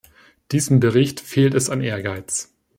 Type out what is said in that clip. Diesem Bericht fehlt es an Ehrgeiz.